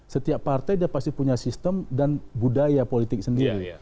setiap partai dia pasti punya sistem dan budaya politik sendiri